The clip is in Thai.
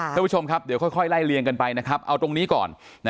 ท่านผู้ชมครับเดี๋ยวค่อยไล่เลี่ยงกันไปนะครับเอาตรงนี้ก่อน